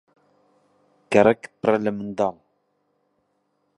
گەڕەک پڕە لە منداڵ.